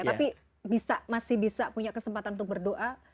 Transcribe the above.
tapi masih bisa punya kesempatan untuk berdoa